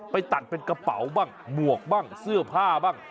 ไปตัดเป็นกระเป๋าบ้างหมวกบ้างเสื้อผ้าบ้าง